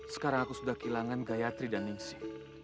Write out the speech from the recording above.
sekarang aku sudah kehilangan gayatri dan ningsi